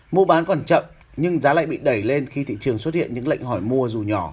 mua bán còn chậm nhưng giá lại bị đẩy lên khi thị trường xuất hiện những lệnh hỏi mua dù nhỏ